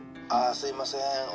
「すいません。